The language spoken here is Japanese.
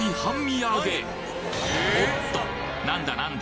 おっと何だ何だ？